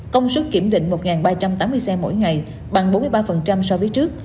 công suất kiểm định một ba trăm tám mươi xe mỗi ngày bằng bốn mươi ba so với trước